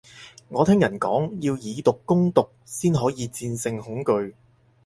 我聽人講，要以毒攻毒先可以戰勝恐懼